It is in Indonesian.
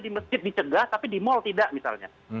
di masjid dicegah tapi di mal tidak misalnya